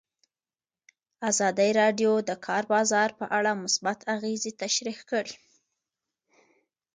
ازادي راډیو د د کار بازار په اړه مثبت اغېزې تشریح کړي.